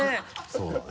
そうだね。